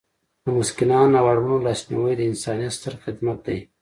د مسکینانو او اړمنو لاسنیوی د انسانیت ستر خدمت دی.